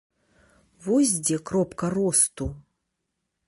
Вось дзе кропка росту!